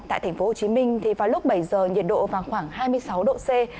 tại tp hcm vào lúc bảy giờ nhiệt độ vào khoảng hai mươi sáu độ c